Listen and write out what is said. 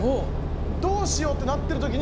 どうしようってなってる時に。